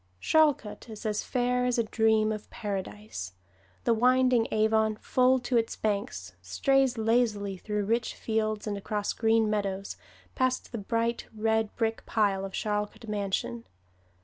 Charlcote is as fair as a dream of Paradise. The winding Avon, full to its banks, strays lazily through rich fields and across green meadows, past the bright red brick pile of Charlcote Mansion.